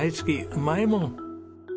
うまいもん。